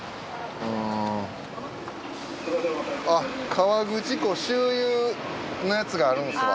河口湖周遊のやつがあるんすわ。